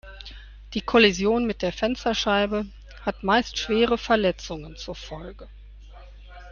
Die Kollision mit der Fensterscheibe hat meist schwere Verletzungen zur Folge.